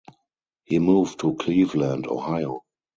He moved to Cleveland, Ohio.